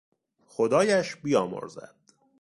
خدایش بیامرزد!